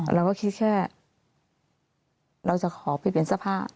เราก็คิดแค่เราจะขอไปเปลี่ยนสภาพ